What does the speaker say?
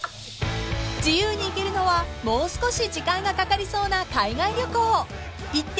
［自由に行けるのはもう少し時間がかかりそうな海外旅行］